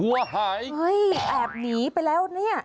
วัวหายเฮ้ยแอบหนีไปแล้วเนี่ย